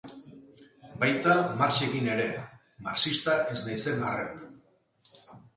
Baita Marxekin ere, marxista ez naizen arren.